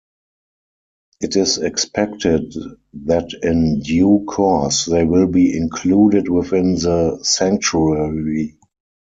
It is expected that in due course they will be included within the sanctuary.